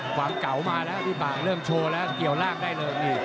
ความเก๋ามาแล้วเริ่มโชว์แล้วเกี่ยวร่างได้เลย